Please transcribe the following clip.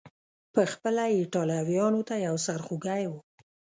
پخپله ایټالویانو ته یو سر خوږی و.